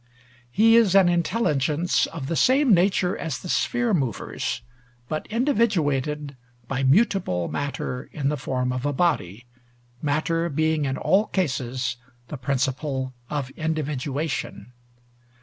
He is an intelligence, of the same nature as the sphere movers, but individuated by mutable matter in the form of a body, matter being in all cases the principle of individuation.